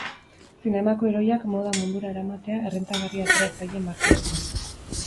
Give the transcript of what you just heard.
Zinemako heroiak moda mundura eramatea errentagarri atera zaie marka askori.